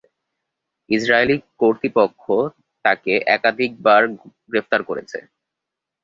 Israeli কর্তৃপক্ষ তাকে একাধিকবার গ্রেফতার করেছে।